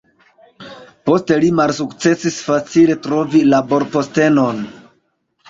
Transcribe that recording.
Poste li malsukcesis facile trovi laborpostenon.